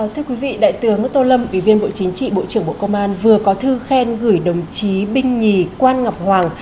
thưa quý vị đại tướng tô lâm ủy viên bộ chính trị bộ trưởng bộ công an vừa có thư khen gửi đồng chí binh nhì quan ngọc hoàng